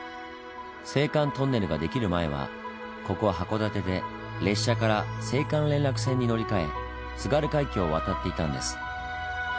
青函トンネルが出来る前はここ函館で列車から青函連絡船に乗り換え津軽海峡を渡っていたんです。